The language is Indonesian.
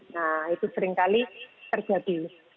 nah itu seringkali terjadi